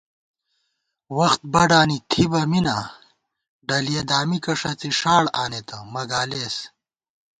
وخت بَڈانی تھِبہ مِنا ڈلِیَہ دامِکہ ݭڅی ݭاڑ آنېتہ مہ گالېس